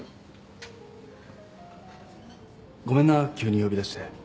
ごめんな急に呼び出して。